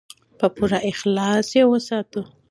په پوره اخلاص یې وساتو.